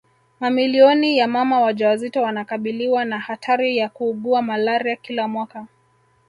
Mamilioni ya mama wajawazito wanakabiliwa na hatari ya kuugua malaria kila mwaka